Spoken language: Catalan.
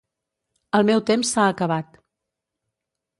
El meu temps s'ha acabat.